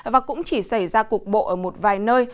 và cũng chỉ xảy ra cuộc bộ ở một vài nơi